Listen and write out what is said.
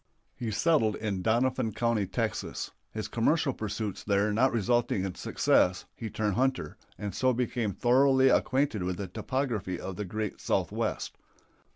He settled in Doniphan County, Texas. His commercial pursuits there not resulting in success he turned hunter, and so became thoroughly acquainted with the topography of the great Southwest.